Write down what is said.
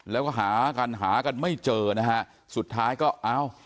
แล้วก็หากันหากันไม่เจอนะฮะสุดท้ายก็เอ้า